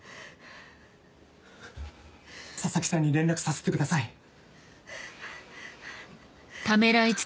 佐々木さんに連絡させてください。